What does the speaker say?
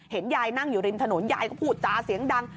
เห็นยายนั่งอยู่ริมถนนยายก็พูดจาเสียงดัง